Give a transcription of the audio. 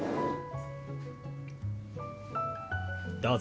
どうぞ。